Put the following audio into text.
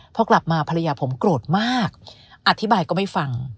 พอกลับมาภรรยาผมโกรธมากอธิบายก็ไม่ฟัง